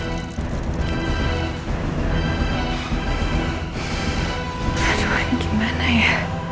aduh ini gimana ya